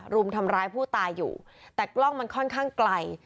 รุมทำร้ายผู้ตายอยู่แต่กล้องมันค่อนข้างไกล